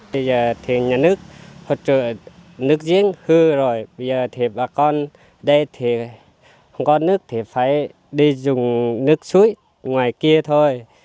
bây giờ thì nhà nước hỗ trợ nước diễn cư rồi bây giờ thì bà con đây thì không có nước thì phải đi dùng nước suối ngoài kia thôi